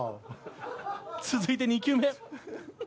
続いて２球目。